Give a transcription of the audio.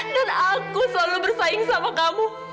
dan aku selalu bersaing sama kamu